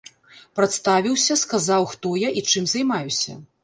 Прадставіўся, сказаў, хто я і чым займаюся.